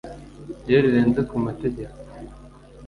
iyo rirenze ku mategeko